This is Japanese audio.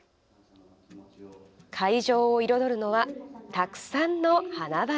会場を彩るのは、たくさんの花々。